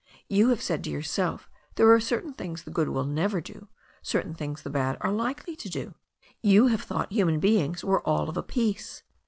You have said to yourself there are certain things the good will never do, certain things the bad are likely to do. You have thought human beings were all of a piece.